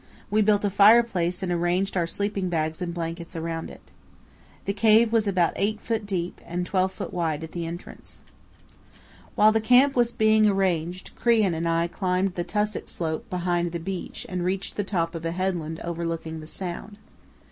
We built a fireplace and arranged our sleeping bags and blankets around it. The cave was about 8 ft. deep and 12 ft. wide at the entrance. While the camp was being arranged Crean and I climbed the tussock slope behind the beach and reached the top of a headland overlooking the sound.